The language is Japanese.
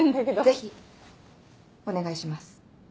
ぜひお願いします。